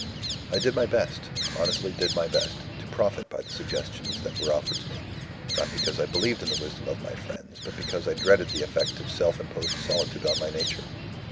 "I did my best, honestly did my best, to profit by the suggestions that were offered to me not because I believed in the wisdom of my friends, but because I dreaded the effect of self imposed solitude on my nature.